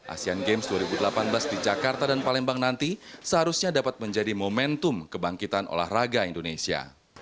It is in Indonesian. asean games dua ribu delapan belas di jakarta dan palembang nanti seharusnya dapat menjadi momentum kebangkitan olahraga indonesia